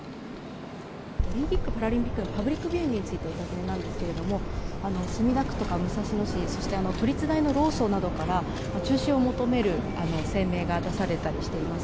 オリンピック・パラリンピックのパブリックビューイングについて、お尋ねなんですけれども、墨田区とか武蔵野市、そして都立大の労組などから、中止を求める声明が出されたりしています。